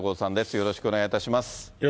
よろしくお願いします。